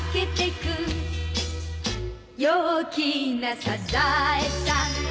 「陽気なサザエさん」